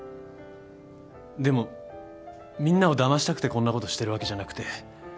でもみんなをだましたくてこんなことしてるわけじゃなくて。